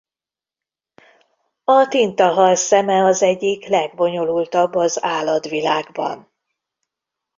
A tintahal szeme az egyik legbonyolultabb az állatvilágban.